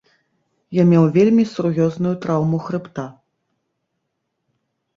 Я меў вельмі сур'ёзную траўму хрыбта.